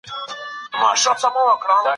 خدای انسان ته د ښه او بد د پېژندلو توان ورکړ.